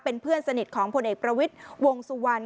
เป็นเพื่อนสนิทของพลเอกประวิทย์วงสุวรรณ